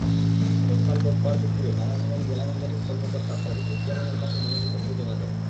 গতকাল রোববার দুপুরে নারায়ণগঞ্জ জেলা নির্বাচন কর্মকর্তা তারিফুজ্জামানের কাছে মনোনয়নপত্র জমা দেন।